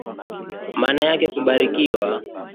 Maana yake kubarikiwa.